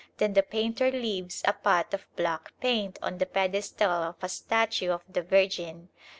Then the painter leaves a pot of black paint on the pedestal of a statue of the Virgin.